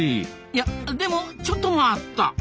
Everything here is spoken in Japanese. いやでもちょっと待った！